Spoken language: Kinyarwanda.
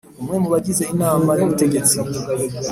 Umwe mu bagize inama y ubutegetsi